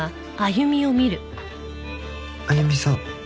歩さん。